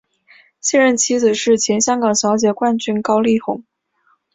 现任妻子是前香港小姐冠军高丽虹。